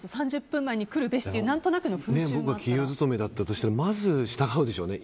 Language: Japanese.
３０分前に来るべしという僕企業勤めだったとしてまず従うでしょうね。